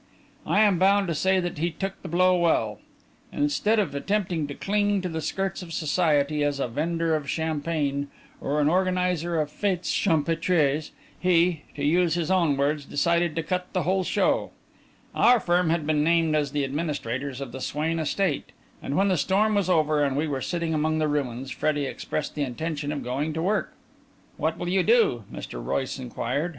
I am bound to say that he took the blow well. Instead of attempting to cling to the skirts of Society as a vendor of champagne or an organiser of fêtes champêtres, he to use his own words decided to cut the whole show. Our firm had been named as the administrators of the Swain estate, and when the storm was over and we were sitting among the ruins, Freddie expressed the intention of going to work. "What will you do?" Mr. Royce inquired.